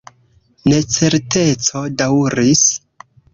Necerteco daŭris.